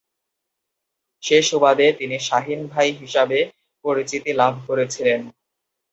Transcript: সে সুবাদে তিনি শাহিন ভাই হিসাবে পরিচিতি লাভ করেছিলেন।